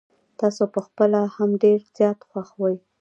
تاسو په خپله هم ډير زيات خوښ وې.